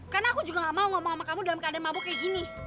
karena aku juga gak mau ngomong sama kamu dalam keadaan mabuk kayak gini